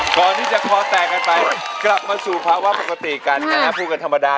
ก่อนที่จะคอแตกกันไปกลับมาสู่ภาวะปกติกันนะครับพูดกันธรรมดา